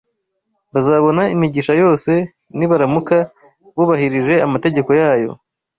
bazabona imigisha yose nibaramuka bubahirije amategeko yayo